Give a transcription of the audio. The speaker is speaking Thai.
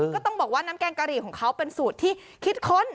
ก็ต้องบอกว่าน้ำแกงกะหรี่ของเขาเป็นสูตรที่คิดค้น